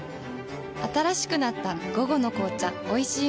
新しくなった「午後の紅茶おいしい無糖」